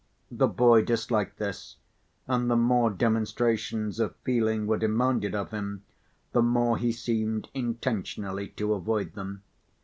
The boy disliked this, and the more demonstrations of feeling were demanded of him the more he seemed intentionally to avoid them.